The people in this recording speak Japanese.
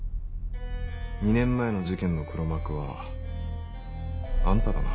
２年前の事件の黒幕はあんただな？